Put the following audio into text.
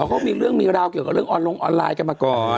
เขามีเรื่องมีราวเกี่ยวกับเรื่องออนลงออนไลน์กันมาก่อน